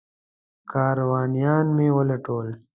کاروانیان مې ولټول.